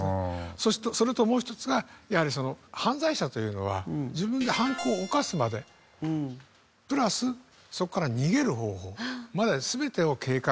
それともう１つがやはり犯罪者というのは自分で犯行を犯すまでプラスそこから逃げる方法まで全てを計画しているんですね。